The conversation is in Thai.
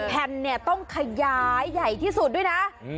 แผ่นเนี่ยต้องขยายใหญ่ที่สุดด้วยนะ